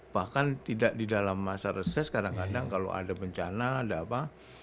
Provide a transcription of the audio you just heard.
bahkan tidak di dalam masa reses kadang kadang kalau ada bencana ada apa